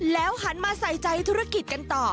แล้วหันมาใส่ใจธุรกิจกันต่อ